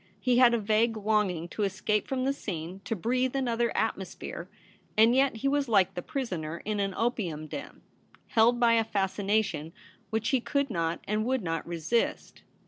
He had a vague longing to escape from the scene, to breathe another atmosphere, and yet he was like the prisoner In an opium den, held by a fascination which he could not and would not resist.